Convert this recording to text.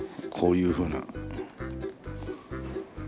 こういうふうな。